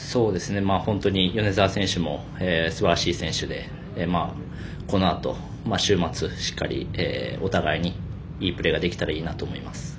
本当に米澤選手もすばらしい選手でこのあと週末しっかりお互いにいいプレーができたらいいなと思います。